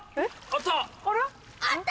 あ！あった。